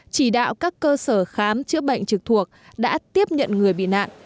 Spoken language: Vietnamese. chỉ đạo các cơ sở khám chữa bệnh trực thuộc đã tiếp nhận người bị nạn